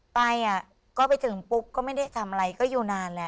ไปอ่ะก็ไปถึงปุ๊บก็ไม่ได้ทำอะไรก็อยู่นานแล้ว